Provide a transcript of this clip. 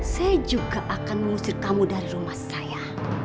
saya juga akan mengusir kamu dari rumah saya